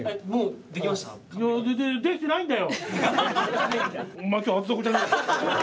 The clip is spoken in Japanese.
できてないんだよ！